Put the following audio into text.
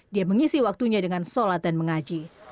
dia mengisi waktunya dengan sholat dan mengaji